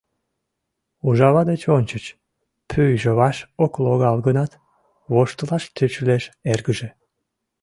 Ужава деч ончыч, — пӱйжӧ ваш ок логал гынат, воштылаш тӧчылеш эргыже.